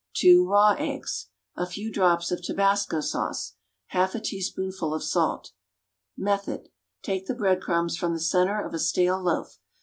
Two raw eggs. A few drops of tabasco sauce. 1/2 a teaspoonful of salt. Take the bread crumbs from the centre of a stale loaf.